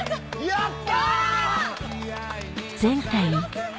やった！